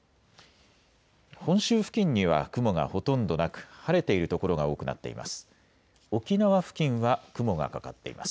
本州付近には雲がほとんどなく晴れている所が多くなっています。